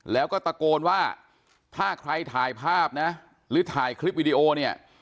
แล้วก็ตะโกนว่าถ้าใครถ่ายภาพนะหรือถ่ายคลิปวิดีโอเนี่ย